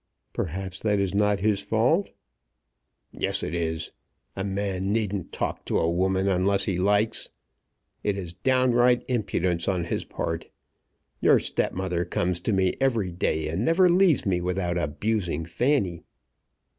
"Perhaps that is not his fault." "Yes, it is. A man needn't talk to a woman unless he likes. It is downright impudence on his part. Your stepmother comes to me every day, and never leaves me without abusing Fanny."